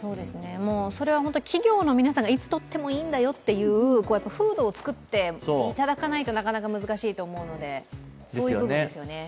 それは企業の皆さんがいつとってもいいんだよという風土を作っていただかないとなかなか難しいと思うので、そういう部分ですよね。